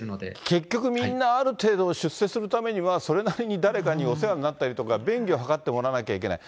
結局みんなある程度出世するためにはそれなりに誰かにお世話になったりとか、便宜を図ってもらわなきゃいけない。